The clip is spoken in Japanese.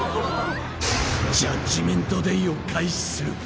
ジャッジメント・デイを開始する！